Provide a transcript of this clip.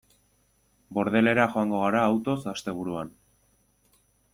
Bordelera joango gara autoz asteburuan.